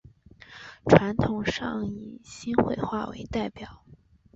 传统上以新会话为代表。